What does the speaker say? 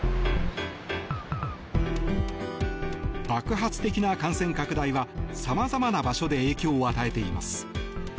爆発的な感染拡大は様々な場所で影響を与えています。